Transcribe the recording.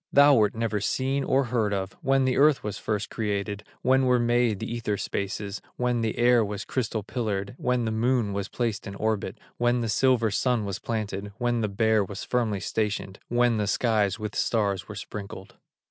Thou wert never seen or heard of When the earth was first created, When were made the ether spaces, When the air was crystal pillared, When the Moon was placed in orbit, When the silver Sun was planted, When the Bear was firmly stationed, When the skies with stars were sprinkled."